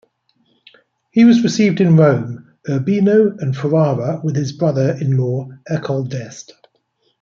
He was received in Rome, Urbino, and Ferrara with his brother-in-law Ercole d' Este.